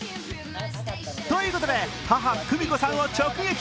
ということで、母・久美子さんを直撃。